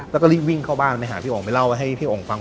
แล้วก็รีบวิ่งเข้าบ้านไปหาพี่อ๋องไปเล่าให้พี่องค์ฟัง